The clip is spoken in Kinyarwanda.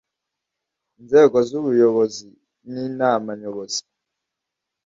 inzego z ubuyobozi ni inama nyobozi